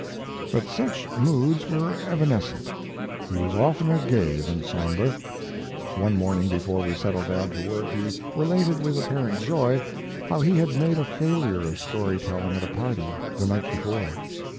But such moods were evanescent. He was oftener gay than somber. One morning before we settled down to work he related with apparent joy how he had made a failure of story telling at a party the night before.